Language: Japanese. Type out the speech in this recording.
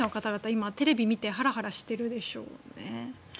今、テレビを見てハラハラしているでしょうね。